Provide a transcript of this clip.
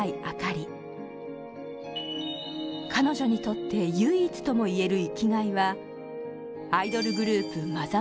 あかり彼女にとって唯一ともいえる生きがいはアイドルグループま